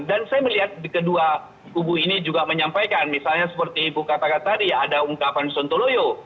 dan saya melihat kedua kubu ini juga menyampaikan misalnya seperti ibu katakan tadi ada ungkapan sontoloyo